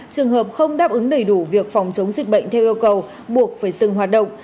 trường hợp không đáp ứng đầy đủ việc phòng chống dịch bệnh theo yêu cầu buộc phải dừng hoạt động